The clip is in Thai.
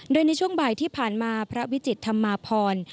โดยในช่วงบ่ายที่ผ่านมาพระวิจิตธรรมาพร